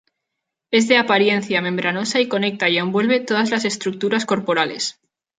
Es de apariencia membranosa y conecta y envuelve todas las estructuras corporales.